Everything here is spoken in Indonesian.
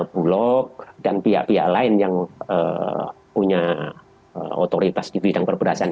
bulog dan pihak pihak lain yang punya otoritas di bidang perberasan